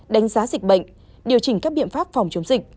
đánh giá dịch bệnh điều chỉnh các biện pháp phòng chống dịch